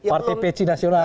partai pc nasional